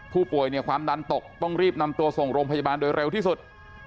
ผู้ป่วยเนี่ยความดันตกต้องรีบนำตัวส่งโรงพยาบาลโดยเร็วที่สุด